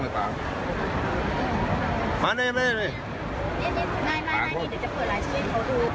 เดี๋ยวจะเปิดทีเขาดู